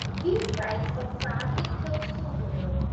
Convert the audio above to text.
These sites are fairly close together.